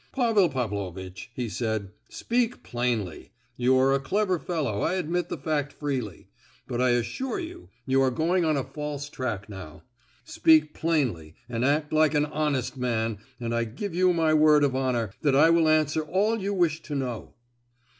"Pavel Pavlovitch," he said, "speak plainly! You are a clever fellow—I admit the fact freely,—but I assure you you are going on a false track now. Speak plainly, and act like an honest man, and I give you my word of honour that I will answer all you wish to know."